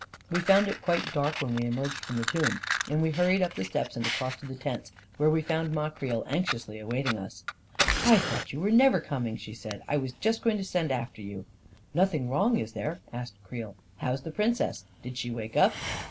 We found it quite dark when we emerged from the tomb ; and we hurried up the steps and across to the tents, where we found Ma Creel anxiously await ing us. 44 1 thought you were never coming I" she said* 44 1 was just going to send after you," 274 A KING IN BABYLON " Nothing wrong, is there ?" asked Creel. " How is the Princess ? Did she wake up